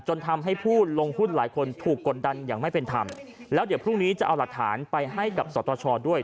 จนทำให้ผู้ลงหุ้นหลายคนถูกกดดันอย่างไม่เป็นธรรมแล้วเดี๋ยวพรุ่งนี้จะเอาหลักฐานไปให้กับสตชด้วย